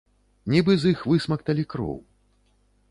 Нібы з іх высмакталі кроў.